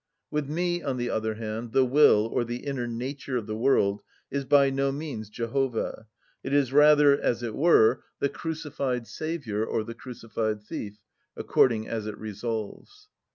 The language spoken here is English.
(54) With me, on the other hand, the will, or the inner nature of the world, is by no means Jehovah, it is rather, as it were, the crucified Saviour, or the crucified thief, according as it resolves.